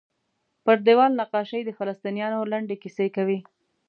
پر دیوال نقاشۍ د فلسطینیانو لنډې کیسې کوي.